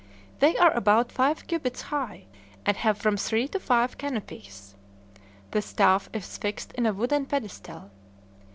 They are about five cubits high, and have from three to five canopies. The staff is fixed in a wooden pedestal.